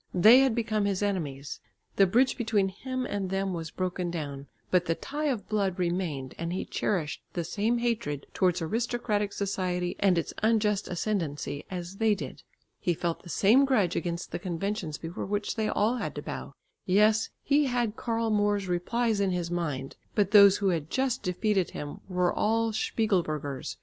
They had become his enemies; the bridge between him and them was broken down; but the tie of blood remained and he cherished the same hatred towards aristocratic society, and its unjust ascendency as they did; he felt the same grudge against the conventions before which they all had to bow; yes, he had Karl Moor's replies in his mind, but those who had just defeated him were all Spiegelbergers.